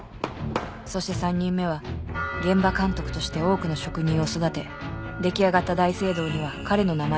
そして３人目は現場監督として多くの職人を育て出来上がった大聖堂には彼の名前が付けられた。